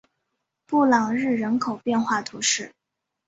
布朗日人口变化图示